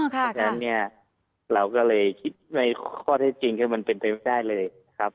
เพราะฉะนั้นเนี่ยเราก็เลยคิดในข้อเท็จจริงคือมันเป็นไปไม่ได้เลยครับ